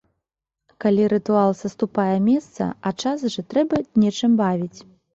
Калі рытуал саступае месца, а час жа трэба нечым бавіць!